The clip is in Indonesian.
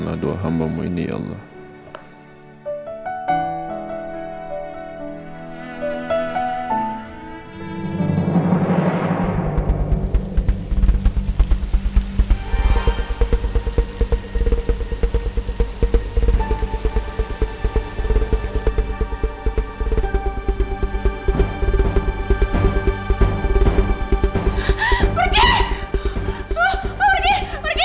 dennis tiano meninggal terlalu muda